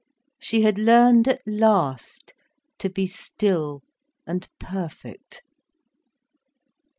She had learned at last to be still and perfect.